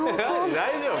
大丈夫？